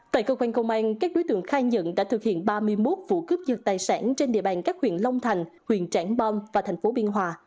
tại cơ quan công an các đối tượng khai nhận đã thực hiện ba mươi một vụ cướp dật tài sản trên địa bàn các huyện long thành huyện trảng bom và thành phố biên hòa